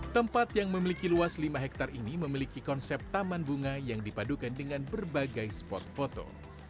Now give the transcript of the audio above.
tempat yang memiliki luas lima hektare ini memiliki konsep taman bunga yang dipadukan dengan berbagai spot foto